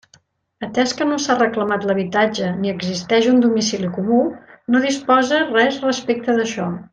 Atés que no s'ha reclamat l'habitatge ni existeix un domicili comú, no dispose res respecte d'això.